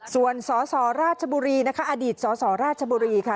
ส่วนสสราชบุรีนะคะอดีตสสราชบุรีค่ะ